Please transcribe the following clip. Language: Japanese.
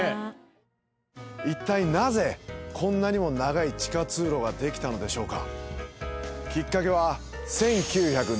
一体なぜ、こんなにも長い地下通路ができたのでしょうか？